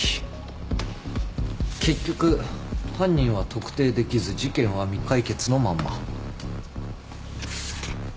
結局犯人は特定できず事件は未解決のまま。